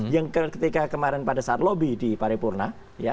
yang ketika kemarin pada saat lobby di paripurna